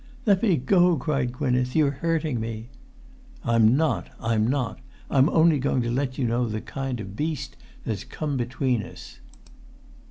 "Let me go," cried Gwynneth. "You're hurting me!" "I'm not. I'm not. I'm only going to let you know the kind of beast that's come between us."